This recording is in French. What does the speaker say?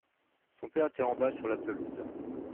Son père était en bas sur la pelouse.